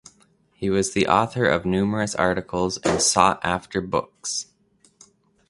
He was the author of numerous articles and sought after books.